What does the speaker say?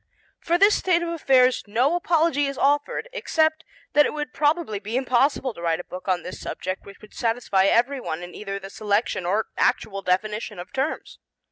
For this state of affairs no apology is offered except that it would probably be impossible to write a book on this subject which would satisfy everyone in either the selection or actual definition of terms.